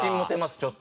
ちょっと。